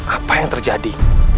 apa yang terjadi